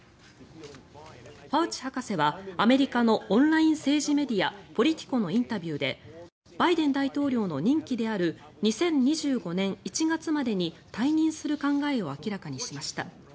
ファウチ博士は、アメリカのオンライン政治メディアポリティコのインタビューでバイデン大統領の任期である２０２５年１月までに退任する考えを明らかにしました。